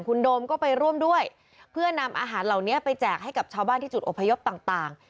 คุณโดมก็ไปร่วมด้วยเพื่อนำอาหารเหล่านี้ไปแจกให้กับชาวบ้านที่จุดอพยพต่าง